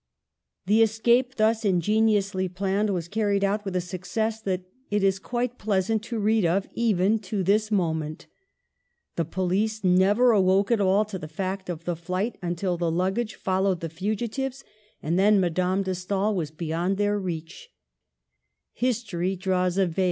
The escape thus ingeniously planned was car ried out with a success that it is quite pleasant to read of, even to this moment. The police never awoke at all to the fact of the flight until the lug gage followed the fugitives, and then Madame de Digitized by VjOOQLC SECOND MARRIAGE.